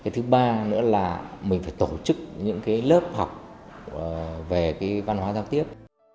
thứ ba nữa là mình phải tổ chức những lớp học về văn hóa giao tiếp